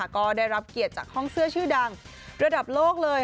ก็ได้รับเกียรติจากห้องเสื้อชื่อดังระดับโลกเลย